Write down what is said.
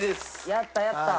やったやった！